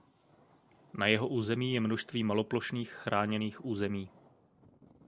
Na jeho území je množství maloplošných chráněných území.